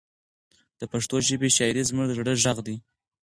د پښتو ژبې شاعري زموږ د زړه غږ دی.